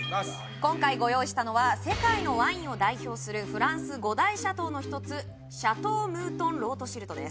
今回ご用意したのは世界のワインを代表するフランス５大シャトーの一つシャトー・ムートン・ロートシルトです